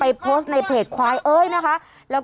เปิดไฟขอทางออกมาแล้วอ่ะ